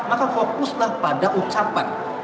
maka fokuslah pada ucapan